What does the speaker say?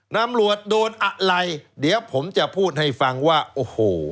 ตำรวจโดนอะไรเดี๋ยวผมจะพูดให้ฟังว่าโอ้โห